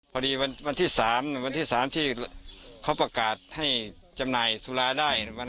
พอดีวันที่๓วันที่๓ที่เขาประกาศให้จำหน่ายสุราได้